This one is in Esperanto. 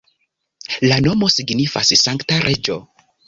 La nomo signifas sankta reĝo.